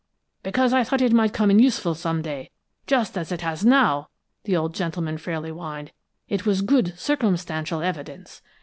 "'Because, I thought it might come in useful some day, just as it has now,' the old gentleman fairly whined. 'It was good circumstantial evidence.'